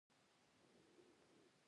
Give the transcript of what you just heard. حضرت عمر فاروق لومړی ازاد شوي مریان ومنل.